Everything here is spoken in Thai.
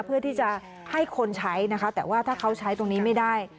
เพื่อที่จะให้คนใช้นะคะแต่ว่าถ้าเขาใช้ตรงนี้ไม่ได้